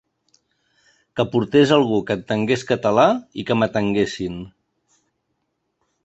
Que portés algú que entengués català i que m’atenguessin.